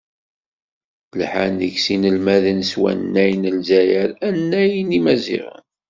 Lḥan deg-s yinelmaden s wannay n Lezzayer, annay n yimaziɣen.